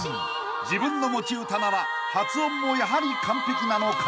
［自分の持ち歌なら発音もやはり完璧なのか］